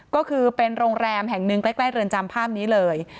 ก็คือเป็นโรงแรมแห่งหนึ่งใกล้เรือนจำภาพนี้เลย